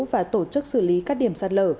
và tổ chức xử lý các điểm sạt lở